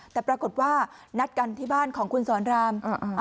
แต่ปรากฏว่านัดกันที่บ้านของคุณสอนราม